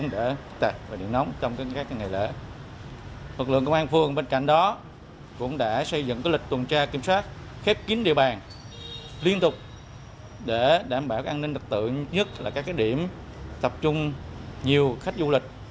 để đảm bảo an ninh đặc tượng nhất là các địa điểm tập trung nhiều khách du lịch